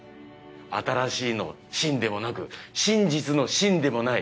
新しいの「新」でもなく真実の「真」でもない